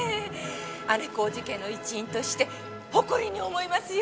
姉小路家の一員として誇りに思いますよ！